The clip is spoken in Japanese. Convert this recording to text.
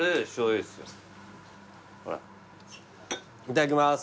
いただきます。